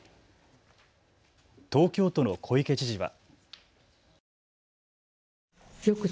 東京都の小池知事は。